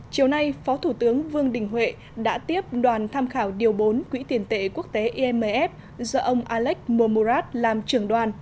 chiều nay phó thủ tướng vương đình huệ đã tiếp đoàn tham khảo điều bốn quỹ tiền tệ quốc tế imf do ông alex momorat làm trưởng đoàn